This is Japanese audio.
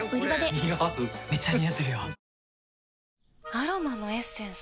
アロマのエッセンス？